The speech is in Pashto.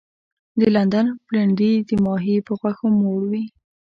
د لندن پلنډي د ماهي په غوښو موړ وي.